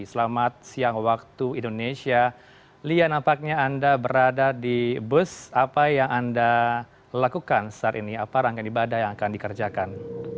selamat siang waktu indonesia lian nampaknya anda berada di bus apa yang anda lakukan saat ini apa rangkaian ibadah yang akan dikerjakan